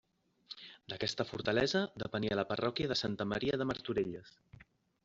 D'aquesta fortalesa depenia la parròquia de Santa Maria de Martorelles.